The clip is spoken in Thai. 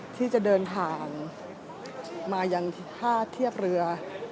ที่จะเดินทางมายังท่าเทียบเรือ